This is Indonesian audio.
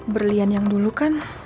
berlian yang dulu kan